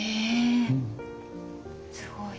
えすごい。